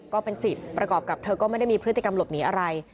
ก็เป็นสิทธิ์ประกอบกับเธอก็ไม่ได้มีพฤติกรรมหลบหนีอะไร